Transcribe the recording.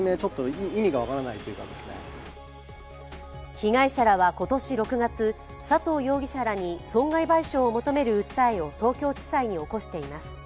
被害者らは今年６月佐藤容疑者らに損害賠償を求める訴えを東京地裁に起こしています。